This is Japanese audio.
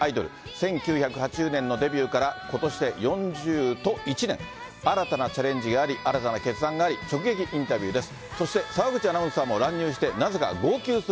１９８０年のデビューからことしで４０と１年、新たなチャレンジがあり、新たな決断があり、直撃インタビューです。